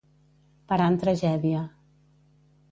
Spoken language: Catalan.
Parar en tragèdia.